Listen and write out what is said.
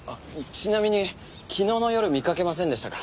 ちなみに昨日の夜見かけませんでしたか？